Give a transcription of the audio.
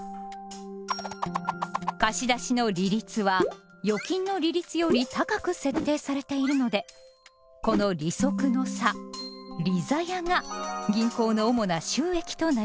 貸し出しの「利率」は預金の利率より高く設定されているのでこの利息の差「利ざや」が銀行の主な収益となります。